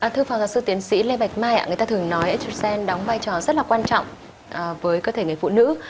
thư phòng giáo sư tiến sĩ lê bạch mai người ta thường nói estrogen đóng vai trò rất là quan trọng với cơ thể người phụ nữ